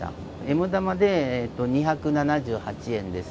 Ｍ玉で２７８円です。